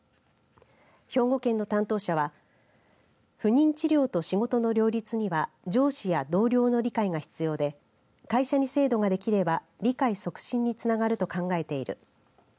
兵庫県の担当者は不妊治療と仕事の両立には上司や同僚の理解が必要で会社に制度ができれば理解促進につながると考えている。